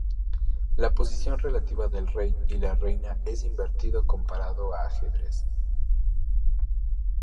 La posición relativa del rey y la reina es invertido comparado a ajedrez.